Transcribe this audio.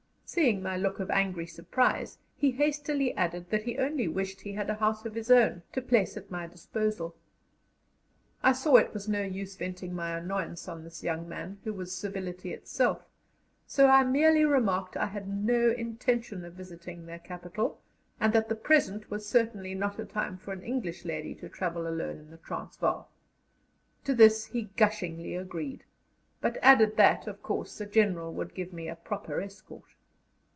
Seeing my look of angry surprise, he hastily added that he only wished he had a house of his own to place at my disposal. I saw it was no use venting my annoyance on this young man, who was civility itself, so I merely remarked I had no intention of visiting their capital, and that the present was certainly not a time for an English lady to travel alone in the Transvaal. To this he gushingly agreed, but added that, of course, the General would give me a proper escort.